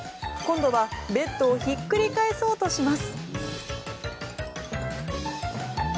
今度はベッドをひっくり返そうとします。